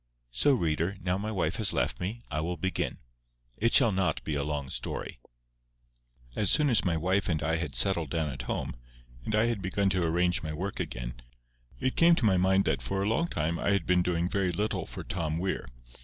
So, reader, now my wife has left me, I will begin. It shall not be a long story. As soon as my wife and I had settled down at home, and I had begun to arrange my work again, it came to my mind that for a long time I had been doing very little for Tom Weir.